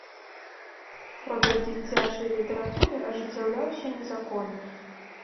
Продаж дзіцячай літаратуры ажыццяўляўся незаконна.